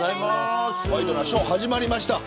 ワイドナショー、始まりました。